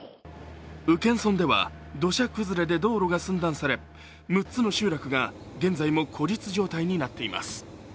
宇検村では土砂崩れで道路が寸断され、６つの集落が現在も孤立状態になっています。